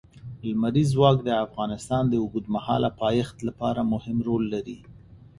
لمریز ځواک د افغانستان د اوږدمهاله پایښت لپاره مهم رول لري.